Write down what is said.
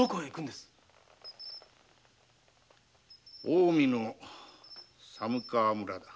近江の寒川村だ。